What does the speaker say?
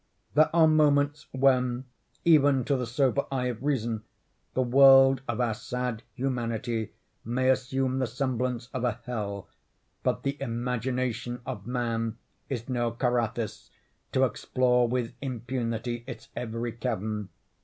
There are moments when, even to the sober eye of Reason, the world of our sad Humanity may assume the semblance of a Hell—but the imagination of man is no Carathis, to explore with impunity its every cavern.